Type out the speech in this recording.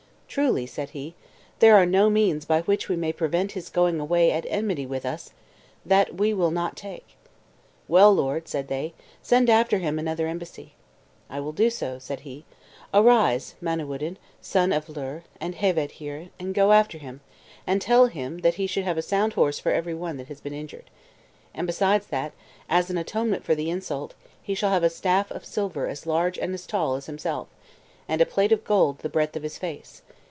"Truly," said he, "there are no means by which we may prevent his going away at enmity with us that we will not take." "Well, lord," said they, "send after him another embassy." "I will do so," said he. "Arise, Manawyddan, son of Llyr, and Heveyd Hir, and go after him, and tell him that he shall have a sound horse for every one that has been injured. And beside that, as an atonement for the insult, he shall have a staff of silver as large and as tall as himself, and a plate of gold of the breadth of his face.